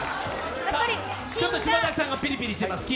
ちょっと島崎さんがピリピリしてます。